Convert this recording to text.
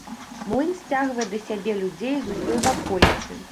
Млын сцягвае да сябе людзей з усёй ваколіцы.